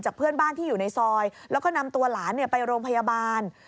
เพื่อนบ้านที่อยู่ในซอยแล้วก็นำตัวหลานไปโรงพยาบาล